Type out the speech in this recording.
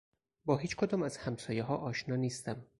با هیچکدام از همسایهها آشنا نیستم.